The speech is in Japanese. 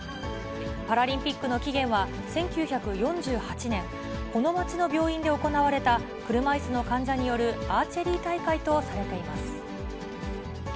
パラリンピックの起源は、１９４８年、この町の病院で行われた車いすの患者によるアーチェリー大会とされています。